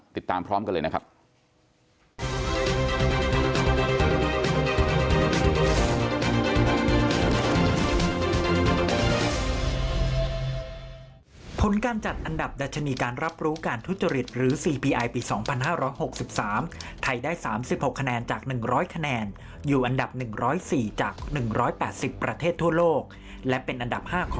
ติดตามพร้อมกันเลยนะครับ